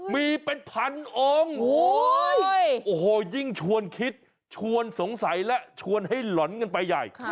มีเป็นพันองค์โอ้โหยิ่งชวนคิดชวนสงสัยและชวนให้หล่อนกันไปใหญ่